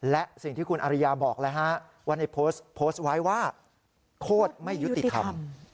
และสิ่งที่คุณอริยาบอกแล้วฮะว่าในโพสต์โพสต์ไว้ว่าโคตรไม่ยุติธรรม